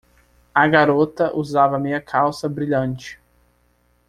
A garota usava meia-calça brilhante.